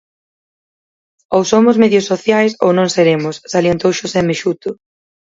"Ou somos medios sociais ou non seremos", salientou Xosé Mexuto.